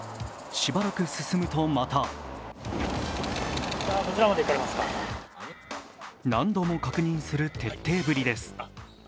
しばらく進むとまた何度も確認する徹底ぶりです。